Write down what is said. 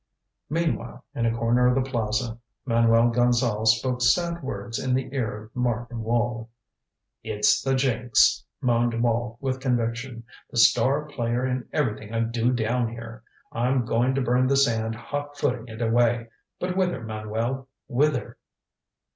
Meanwhile, in a corner of the plaza, Manuel Gonzale spoke sad words in the ear of Martin Wall. "It's the jinx," moaned Wall with conviction. "The star player in everything I do down here. I'm going to burn the sand hot footing it away. But whither, Manuel, whither?"